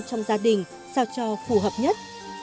trong gia đình sao cho phù hợp nhất